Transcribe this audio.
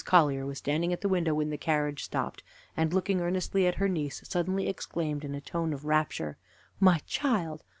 Collier was standing at the window when the carriage stopped, and looking earnestly at her niece suddenly exclaimed in a tone of rapture: "My child!